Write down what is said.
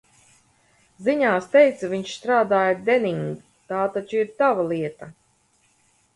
"Ziņās teica, viņš strādāja "Denning", tā taču ir tava lieta?"